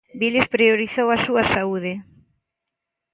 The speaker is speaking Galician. Biles priorizou a súa saúde.